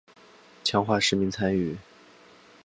强化市民参与